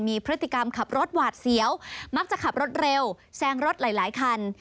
มีพฤติกรรมขับรถหวาดเสียวมักจะขับรถเร็วแซงรถหลายหลายคัน